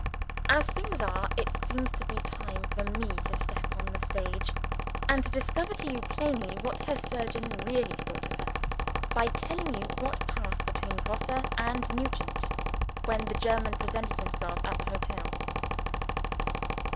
As things are, it seems to be time for me to step on the stage, and to discover to you plainly what her surgeon really thought of her, by telling you what passed between Grosse and Nugent, when the German presented himself at the hotel.